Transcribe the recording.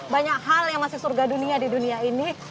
banyak hal yang masih surga dunia di dunia ini